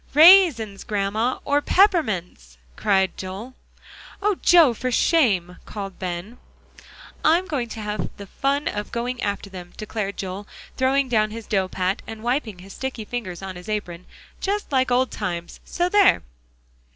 "Raisins, Grandma, or peppermints," cried Joel. "Oh, Joe, for shame!" called Ben. "I'm going to have the fun of going after them," declared Joel, throwing down his dough pat, and wiping his sticky fingers on his apron; "just like old times so there!"